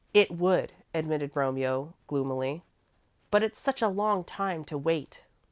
"It would," admitted Romeo, gloomily, "but it's such a long time to wait."